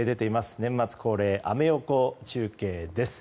年末恒例アメ横中継です。